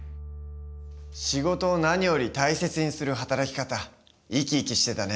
仕事を何より大切にする働き方生き生きしてたね。